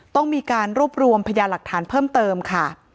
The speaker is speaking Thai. ต้องมีการรวบรวมพยาหลักฐานเพิ่มเติมค่ะ